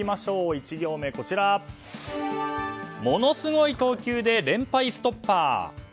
１行目はものすごい投球で連敗ストッパー。